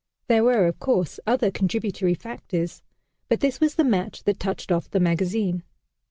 There were, of course, other contributory factors, but this was the match that touched off the magazine.